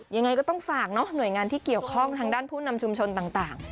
ยังไงก็ต้องฝากเนอะหน่วยงานที่เกี่ยวข้องทางด้านผู้นำชุมชนต่าง